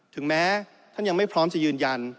ถึงแม้ท่านยังไม่พร้อมจะยืนยัน